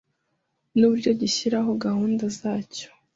n’uburyo gishyiraho gahunda za cyo.